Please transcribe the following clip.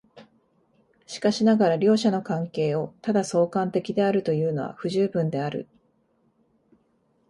しかしながら両者の関係をただ相関的であるというのは不十分である。